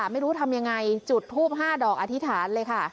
ไม่รู้ทำยังไงจุดทูป๕ดอกอธิษฐานเลยค่ะ